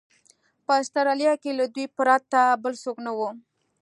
په اسټرالیا کې له دوی پرته بل څوک نه و.